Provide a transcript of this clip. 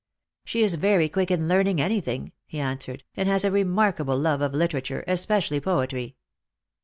" She is very quick in learning anything," he answered, " and has a remarkable love of literature — especially poetry."